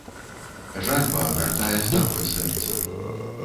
Жальба агартае старое сэрца.